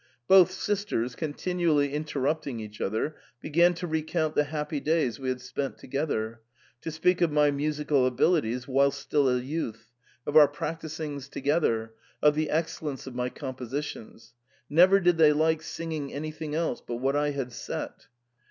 * Both sisters, continually interrupting each other, began to recount the happy days we had spent together, to speak of my musical abilities whilst still a youth, of our practisings together, of the excellence of my compositions ; never did they like singing anything else but what I had set.